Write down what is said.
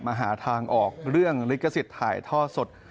หาทางออกเรื่องลิขสิทธิ์ถ่ายท่อสด